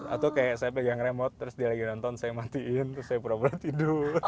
atau kayak saya pegang remote terus dia lagi nonton saya matiin terus saya pura pura tidur